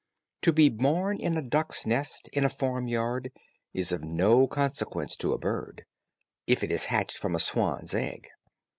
To be born in a duck's nest, in a farmyard, is of no consequence to a bird, if it is hatched from a swan's egg.